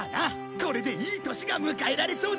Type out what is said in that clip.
これでいい年が迎えられそうだ！